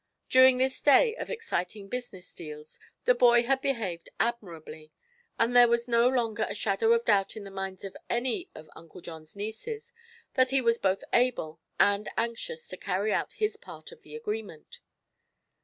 During this day of exciting business deals the boy had behaved admirably, and there was no longer a shadow of doubt in the minds of any of Uncle John's nieces that he was both able and anxious to carry out his part of the agreement.